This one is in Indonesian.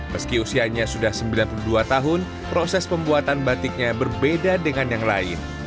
meski usianya sudah sembilan puluh dua tahun proses pembuatan batiknya berbeda dengan yang lain